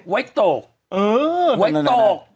ไว้ตก